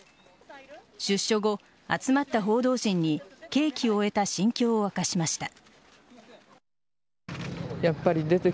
出所後、集まった報道陣に刑期を終えた心境を明かしました。